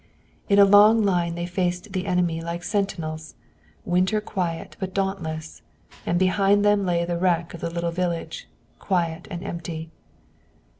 In a long line they faced the enemy like sentinels, winter quiet but dauntless, and behind them lay the wreck of the little village, quiet and empty.